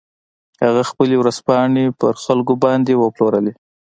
هغه خپلې ورځپاڼې په خلکو باندې وپلورلې.